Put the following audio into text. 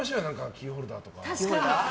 キーホルダーとか。